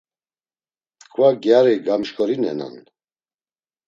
Tkva gyari gamşkorinenan.